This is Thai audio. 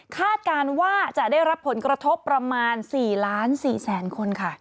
การว่าจะได้รับผลกระทบประมาณ๔๔๐๐๐คนค่ะ